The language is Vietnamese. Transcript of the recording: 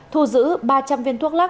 thu giữ ba trăm linh viên thuốc lắc